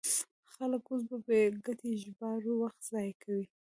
خلک اوس په بې ګټې ژباړو وخت ضایع کوي.